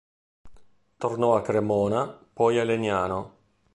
Tornò a Cremona, poi a Legnano.